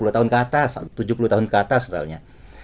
sepuluh tahun ke atas tujuh puluh tahun ke atas misalnya